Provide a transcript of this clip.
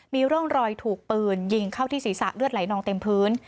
มีร่องรอยถูกปืนยิงเข้าที่ศีรษะเลือดไหลนองเต็มพื้น